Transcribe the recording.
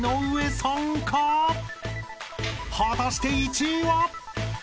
［果たして１位は！？］